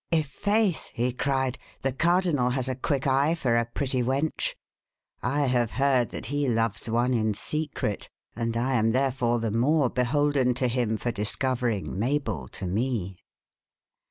"I' faith!" he cried, "the cardinal has a quick eye for a pretty wench. I have heard that he loves one in secret, and I am therefore the more beholden to him for discovering Mabel to me."